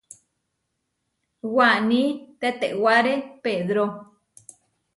Waní tetewáre Pedró.